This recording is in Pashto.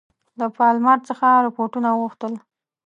له پالمر څخه رپوټونه وغوښتل.